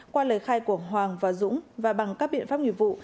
qua lời khai của hoàng và dũng và bằng các biện pháp nghiệp vụ